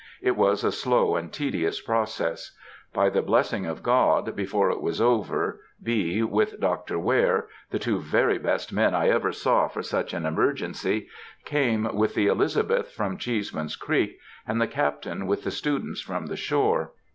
It was a slow and tedious process. By the blessing of God, before it was over, B., with Dr. Ware,—the two very best men I ever saw for such an emergency,—came with the Elizabeth from Cheeseman's Creek, and the Captain with the students from the shore.